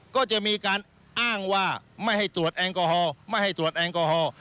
ก็จะมีการอ้างว่าไม่ให้ตรวจแอลกอฮอล์ไม่ให้ตรวจแอลกอฮอล์